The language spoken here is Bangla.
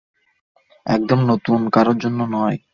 সেজন্যই আপনাকে বলেছিলাম এই ভূমিকাটা একদম নতুন কারো জন্য নয়!